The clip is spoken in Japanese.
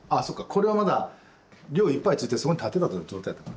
これはまだりょういっぱいついてそこに立ってた状態だった。